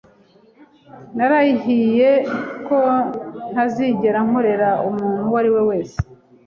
narahiye ko ntazigera nkorera umuntu uwo ari we wese